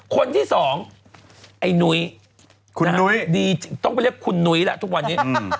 คนที่สองไอ้นุ้ยคุณนุ้ยดีต้องไปเรียกคุณนุ้ยแล้วทุกวันนี้